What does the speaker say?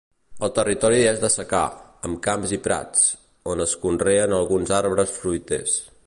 El territori és de secà, amb camps i prats, on es conreen alguns arbres fruiters.